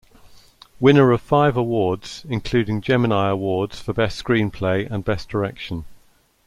Winner of five awards, including Gemini Awards for best screenplay and best direction.